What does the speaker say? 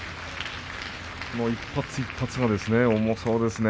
一発一発が重そうですね。